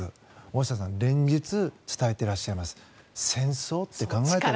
大下さん、連日伝えていらっしゃいます戦争って考えると。